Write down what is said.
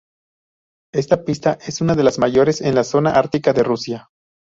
Esta pista es una de las mayores en la zona ártica de Rusia.